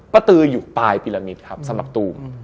ปาตืออยู่ปลายปีรามิตรสำหรับตุ้ม